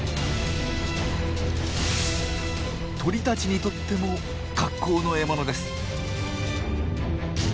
鳥たちにとっても格好の獲物です。